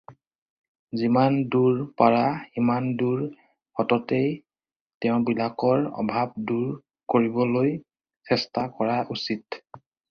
যিমান দূৰ পাৰা সিমান দূৰ সততে তেওঁবিলাকৰ অভাব দূৰ কৰিবলৈ চেষ্টা কৰা উচিত।